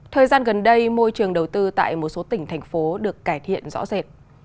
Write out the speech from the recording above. thời gian gần đây môi trường đầu tư tại một số tỉnh thành phố được cải thiện rõ rệt